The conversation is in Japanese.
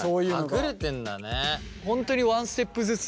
隠れてんだね。